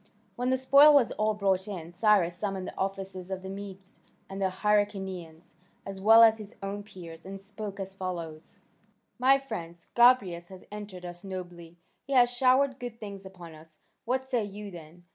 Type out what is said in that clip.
When the spoil was all brought in, Cyrus summoned the officers of the Medes and the Hyrcanians, as well as his own peers, and spoke as follows: "My friends, Gobryas has entertained us nobly; he has showered good things upon us. What say you then?